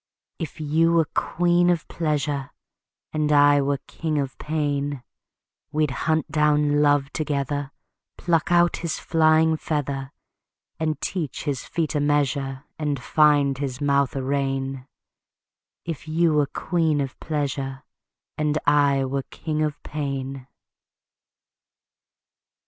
If you were queen of pleasure, And I were king of pain, We'd hunt down love together, Pluck out his flying feather, And teach his feet a measure, And find his mouth a rein; If you were queen of pleasure, And I were king of pain.